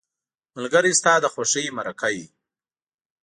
ملګری ستا د خوښۍ مرکه وي